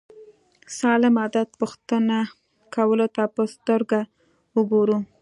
سالم عادت پوښتنه کولو ته په سترګه وګورو.